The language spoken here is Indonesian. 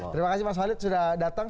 terima kasih mas walid sudah datang